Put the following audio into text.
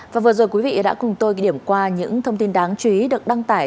và vừa rồi quý vị đã cùng tôi điểm qua những thông tin đáng chú ý được đăng tải